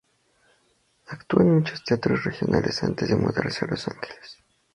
Actuó en muchos teatros regionales antes de mudarse a Los Ángeles.